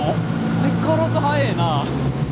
相変わらず速ぇな！